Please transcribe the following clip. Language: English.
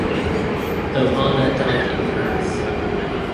Ohana died in Paris.